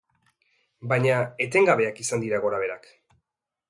Baina, etengabeak izan dira gora-beherak.